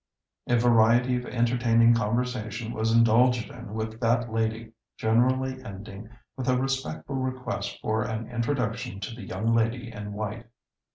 A variety of entertaining conversation was indulged in with that lady, generally ending with a respectful request for an introduction to the young lady in white.